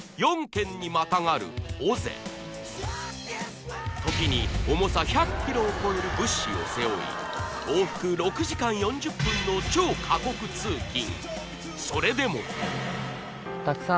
４県にまたがる尾瀬時に重さ１００ｋｇを超える物資を背負い往復６時間４０分の超過酷通勤